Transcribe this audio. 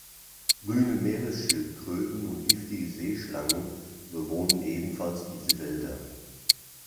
Grüne Meeresschildkröten und giftige Seeschlangen bewohnen ebenfalls diese Wälder.